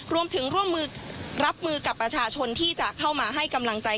รวมถึงร่วมมือรับมือกับประชาชนที่จะเข้ามาให้กำลังใจ